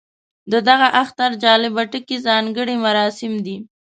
د دغه اختر جالب ټکی ځانګړي مراسم دي.